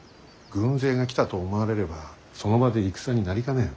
軍勢が来たと思われればその場で戦になりかねん。